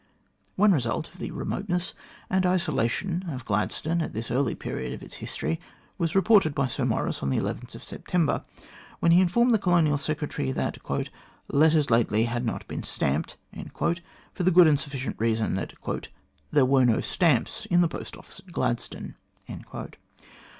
One result of the remoteness and isolation of Gladstone at this early period of its history was reported by Sir Maurice on September 11, when he informed the Colonial Secretary that " letters lately had not been stamped," for the good and sufficient reason that "there were no stamps in the post office at Gladstone."